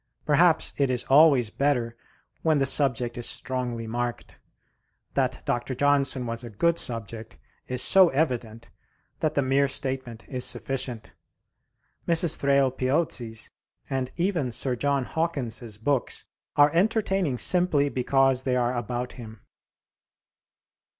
Perhaps it is always better when the subject is strongly marked. That Dr. Johnson was a good subject is so evident that the mere statement is sufficient. Mrs. Thrale Piozzi's and even Sir John Hawkins's books are entertaining simply because they are about him.